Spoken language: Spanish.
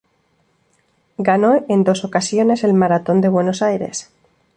Ganó en dos ocasiones el maratón de Buenos Aires.